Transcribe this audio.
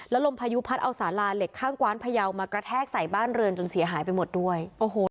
ลมพายุพัดเอาสาลาเหล็กข้างกว้านพยาวมากระแทกใส่บ้านเรือนจนเสียหายไปหมดด้วยโอ้โห